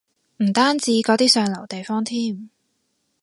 唔單止嗰啲上流地方添